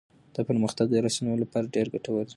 دا پرمختګ د رسنيو لپاره ډېر ګټور دی.